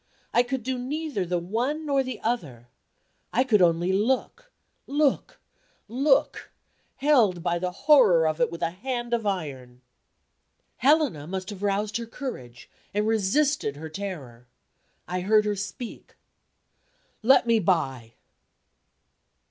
I could do neither the one nor the other. I could only look, look, look; held by the horror of it with a hand of iron. Helena must have roused her courage, and resisted her terror. I heard her speak: "Let me by!"